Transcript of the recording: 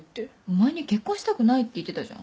前に結婚したくないって言ってたじゃん。